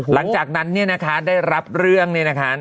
หลังจากนั้นเนี่ยนะคะได้รับเรื่องเนี่ยนะคะ